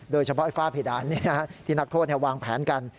โดยเฉพาะฝ้าเพดานที่นักโทษวางแผนกัน